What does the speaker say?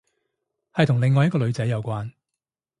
係同另一個女仔有關